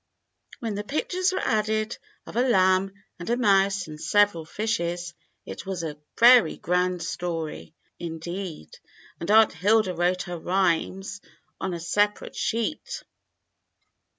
When the pictures were added, of a lamb and a mouse and several fishes, it was a very grand story, indeed, and Aunt Hilda wrote her rhymes on a sepa rate sheet.